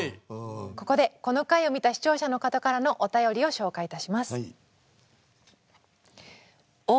ここでこの回を見た視聴者の方からのお便りを紹介いたします。